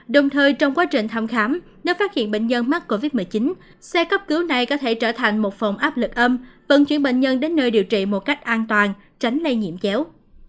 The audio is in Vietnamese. đồng thời trong quá trình thăm khám nếu phát hiện bệnh nhân mắc covid một mươi chín xe cấp cứu này có thể trở thành một phòng áp lực âm vận chuyển bệnh nhân đến nơi điều trị một cách an toàn tránh lây nhiễm chéo